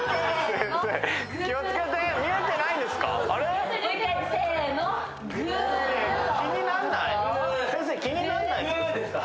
先生気になんないんすか？